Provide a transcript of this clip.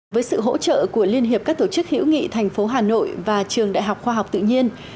với sự hỗ trợ của liên hiệp các tổ chức hữu nghị thành phố hà nội và trường đại học khoa học tự nhiên